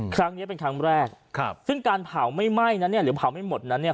ครั้งนี้เป็นครั้งแรกครับซึ่งการเผาไม่ไหม้นะเนี่ยหรือเผาไม่หมดนั้นเนี่ย